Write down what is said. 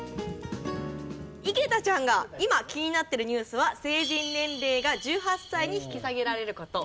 井桁ちゃんが今気になってるニュースは成人年齢が１８歳に引き下げられる事。